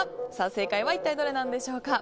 正解は一体どれなんでしょうか？